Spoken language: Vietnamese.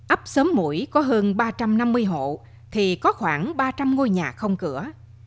ấp sớm mũi có hơn ba trăm năm mươi hộ thì có khoảng ba trăm linh ngôi nhà không cửa